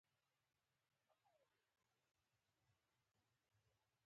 د مومن مسلمان یو څاڅکی وینه عرش لړزوي.